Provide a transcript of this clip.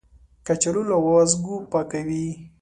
کچالو له وازګو پاکوي